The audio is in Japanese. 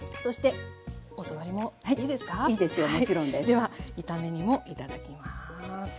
では炒め煮もいただきます。